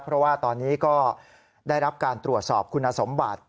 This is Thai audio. เพราะว่าตอนนี้ก็ได้รับการตรวจสอบคุณสมบัติ